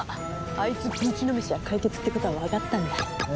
あいつぶちのめしゃ解決ってことはわかったんだ。